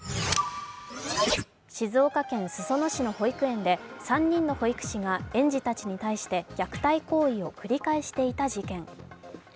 静岡県裾野市の保育園で３人の保育士が園児たちに対して虐待行為を繰り返していた事件。